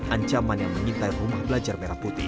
ancaman yang mengintai rumah belajar merah putih